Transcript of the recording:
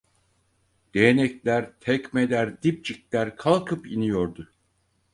Değnekler, tekmeler, dipçikler kalkıp iniyordu.